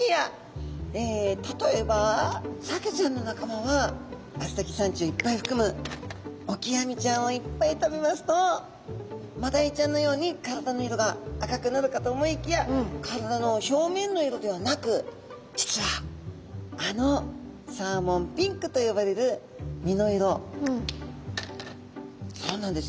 例えばサケちゃんの仲間はアスタキサンチンをいっぱいふくむオキアミちゃんをいっぱい食べますとマダイちゃんのように体の色が赤くなるかと思いきや体の表面の色ではなく実はあのサーモンピンクと呼ばれる身の色そうなんです